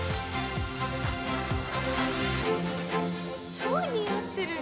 超似合ってるね。